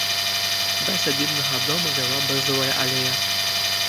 Да сядзібнага дома вяла бэзавая алея.